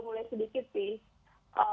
mulai sedikit sih